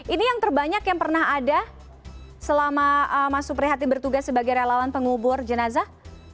ini yang terbanyak yang pernah ada selama mas suprihatin bertugas sebagai relawan pengubur jenazah